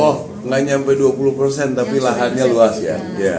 oh nggak nyampe dua puluh persen tapi lahannya luas ya